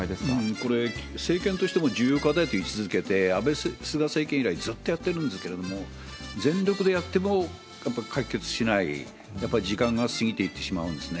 これ、政権としても重要課題として位置づけて、安倍、菅政権以来、ずっとやってるんですけども、全力でやってもやっぱり解決しない、やっぱり時間が過ぎていってしまうんですね。